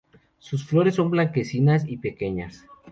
Sus flores son blanquecinas y pequeñas.